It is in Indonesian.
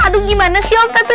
aduh gimana sih om tapi